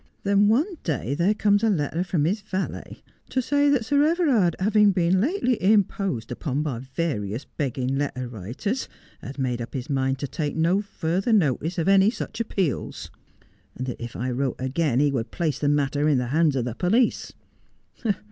Then one day there comes a letter from his valet, to say that Sir Everard having been lately im posed upon by various begging letter writers, had made up his mind to take no further notice of any such appeals, and that if I wrote again he would place the matter in the hands of the police.